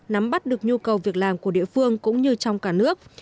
nắm bắt được nhu cầu việc làm của địa phương cũng như trong cả nước